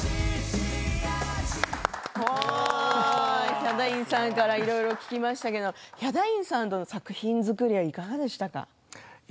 ヒャダインさんからいろいろ聞きましたがヒャダインさんとの作品作りいかがでしたか？